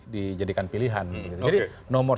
dijadikan pilihan jadi nomor